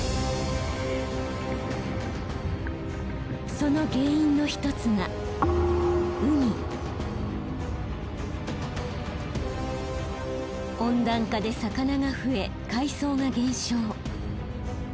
その原因の一つが温暖化で魚が増え海藻が減少。